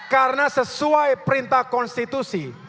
karena sesuai perintah konstitusi